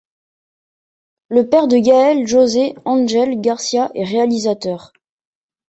Le père de Gael, José Angel García, est réalisateur.